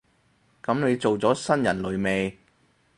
噉你做咗新人類未？